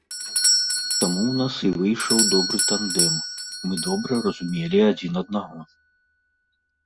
Таму ў нас і выйшаў добры тандэм, мы добра разумелі адзін аднаго.